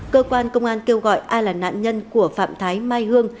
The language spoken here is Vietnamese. cơ quan công an kêu gọi ai là nạn nhân của phạm thái mai hương